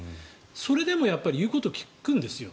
それでもやっぱり言うことを聞くんですよ